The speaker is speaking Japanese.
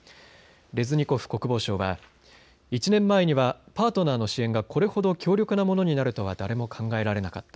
レズニコフ国防相は１年前にはパートナーの支援がこれほど強力なものになるとは誰も考えられなかった。